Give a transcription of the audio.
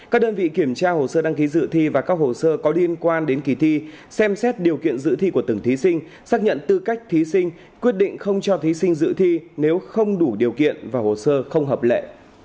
các đơn vị kiểm tra hồ sơ đăng ký dự thi và các hồ sơ có liên quan đến kỳ thi xem xét điều kiện dự thi của từng thí sinh xác nhận tư cách thí sinh quyết định không cho thí sinh dự thi nếu không đủ điều kiện và hồ sơ không hợp lệ